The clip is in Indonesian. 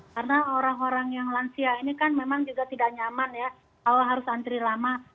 karena orang orang yang lansia ini kan memang juga tidak nyaman ya kalau harus antri lama